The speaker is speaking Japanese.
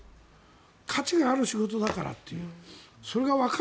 価値がある仕事だからという。